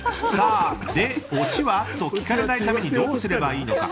で、オチは？と聞かれないためにどうすればいいのか。